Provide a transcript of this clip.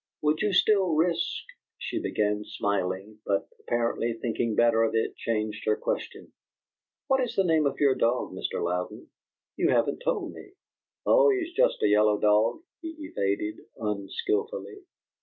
"Would you still risk " she began, smiling, but, apparently thinking better of it, changed her question: "What is the name of your dog, Mr. Louden? You haven't told me." "Oh, he's just a yellow dog," he evaded, unskilfully.